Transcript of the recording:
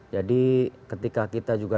jadi ketika kita juga